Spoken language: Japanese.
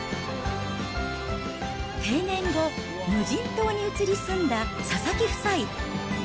定年後、無人島に移り住んだ佐々木夫妻。